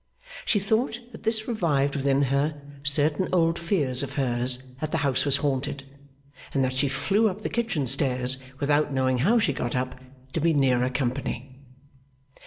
She thought that this revived within her certain old fears of hers that the house was haunted; and that she flew up the kitchen stairs without knowing how she got up, to be nearer company.